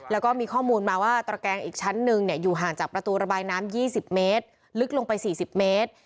แล้วก็มีข้อมูลมาว่าตระแกงอีกชั้นหนึ่งอยู่ห่างจากประตูระบายน้ำ๒๐เมตรลึกลงไป๔๐เมตร